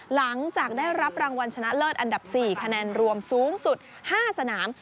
หลังจากได้รับรางวัลชนะเลิศอันดับ๔คะแนนรวมสูงสุด๕สนาม